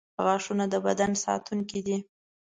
• غاښونه د بدن ساتونکي دي.